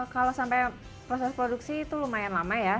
kalau sampai proses produksi itu lumayan lama ya